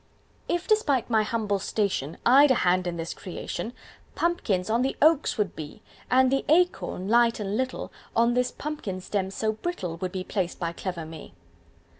"If, despite my humble station, I'd a hand in this Creation, Pumpkins on the oaks would be; And the acorn, light and little, On this pumpkin stem so brittle Would be placed by clever Me."